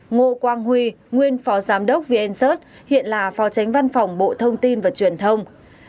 hai ngô quang huy nguyên phó giám đốc vnz hiện là phó tránh văn phòng bộ thông tin và truyền thông